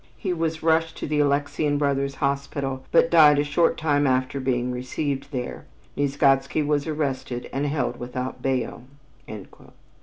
He was rushed to the Alexian Brothers' Hospital, but died a short time after being received there. Nieczgodzki was arrested and held without bail."